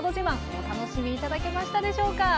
お楽しみいただけましたでしょうか？